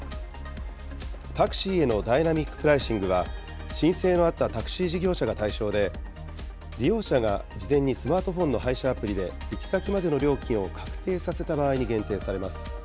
タクシーへのダイナミックプライシングは、申請のあったタクシー事業者が対象で、利用者が事前にスマートフォンの配車アプリで行き先までの料金を確定させた場合に限定されます。